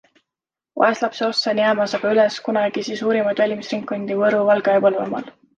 Vaeslapse ossa on jäämas aga üks kunagisi suurimaid valimisringkondi Võru-, Valga- ja Põlvamaal.